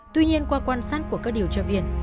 tuy nhiên qua quan sát của các điều tra viên